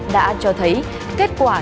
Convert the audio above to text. đã cho thấy kết quả